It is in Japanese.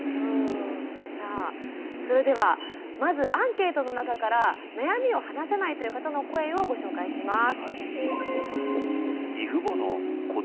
さあそれではまずアンケートの中から悩みを話せないという方の声をご紹介します。